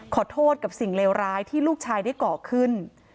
ขอโทษกับสิ่งเลวร้ายที่ลูกชายได้ก่อขึ้น